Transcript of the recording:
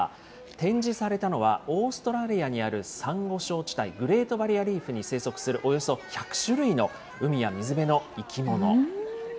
展示されたのはオーストラリアにあるさんご礁地帯、グレートバリアリーフに生息するおよそ１００種類の海や水辺の生き物。